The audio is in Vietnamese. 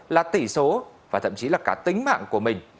là tỷ số và thậm chí là cả tính mạng của mình